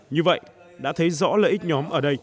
như vậy đã thấy rõ lợi ích nhỏ